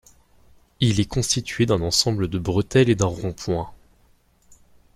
Il est constitué d'un ensemble de bretelles et d'un rond-point.